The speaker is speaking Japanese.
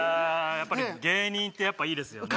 やっぱり芸人ってやっぱいいですよね